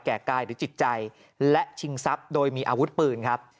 แก่กายหรือจิตใจและชิงทรัพย์โดยมีอาวุธปืนครับ